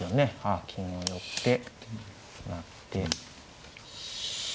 ああ金を寄って成って。